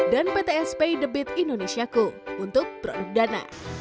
dan pt spi debit indonesiaku untuk produk dana